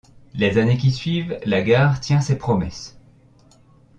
Les années qui suivent, la gare tient ses promesses.